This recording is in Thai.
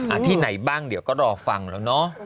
ที่ไหนบ้างเดี๋ยวก็รอฟังแล้วเนาะ